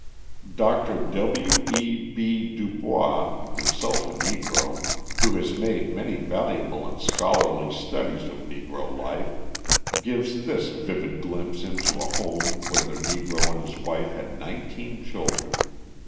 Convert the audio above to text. Dr. W. E. B. DuBois, himself a Negro, who has made many valuable and scholarly studies of Negro life, gives this vivid glimpse into a home where the Negro and his wife had nineteen children.